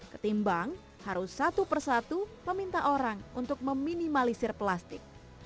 ketimbang harus satu persatu meminta orang untuk meminimalisir plastik